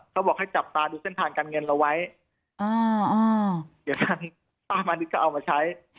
เขาบอกให้จับตาดูเส้นทางการเงินเราไว้อ่าเดี๋ยวท่านป้ามานิดก็เอามาใช้